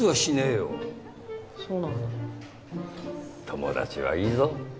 友達はいいぞ。